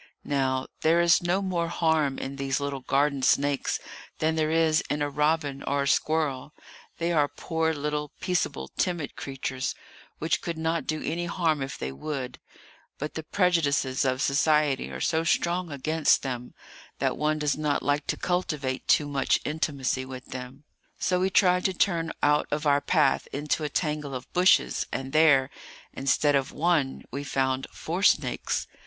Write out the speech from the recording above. Now there is no more harm in these little garden snakes than there is in a robin or a squirrel—they are poor little, peaceable, timid creatures, which could not do any harm if they would; but the prejudices of society are so strong against them that one does not like to cultivate too much intimacy with them. So we tried to turn out of our path into a tangle of bushes; and there, instead of one, we found four snakes.